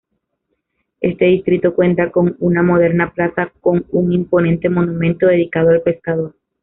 Este distrito cuenta con una moderna Plaza con un imponente monumento dedicado al pescador.